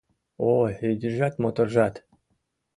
Ой, ӱдыржат-моторжат